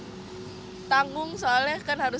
ini nggak setuju